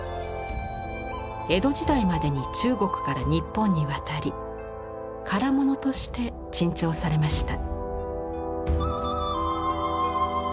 江戸時代までに中国から日本に渡り唐物として珍重されました。